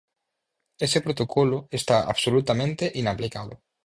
Ese protocolo está absolutamente inaplicado.